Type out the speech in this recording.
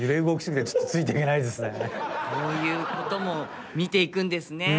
こういうことも見ていくんですね。